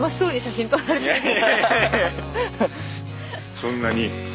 そんなに。